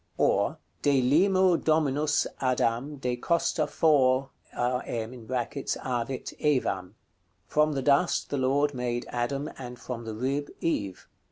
Or "De limo Dominus Adam, de costa fo(rm) avit Evam;" From the dust the Lord made Adam, and from the rib Eve.